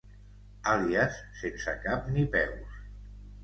Àlies sense cap ni peus.